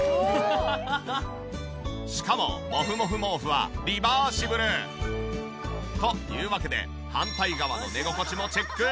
しかもモフモフ毛布はリバーシブル。というわけで反対側の寝心地もチェック。